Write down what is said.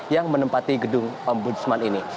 yang menempati gedung pembunuh semaning